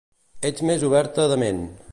Ets més oberta de ment.